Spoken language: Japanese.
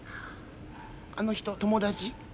あの人友達？